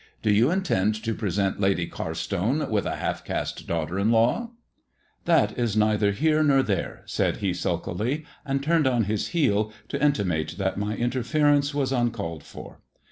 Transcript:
Do you intend to present Lady Carstone with a half caste daughter in law 1" " That is neither here nor there,*' said he sulkily, and turned on his heel to intimate that my interference was uncalled for.